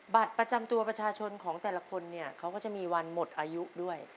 บัตรประจำตัวประชาชนของแต่ละคนเนี่ยเขาก็จะมีวันหมดอายุด้วย